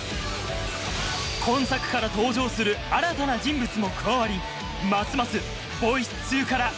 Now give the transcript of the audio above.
今作から登場する新たな人物も加わりますます